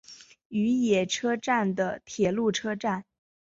与野车站的铁路车站。